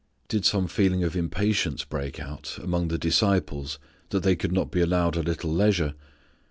Did some feeling of impatience break out among the disciples that they could not be allowed a little leisure?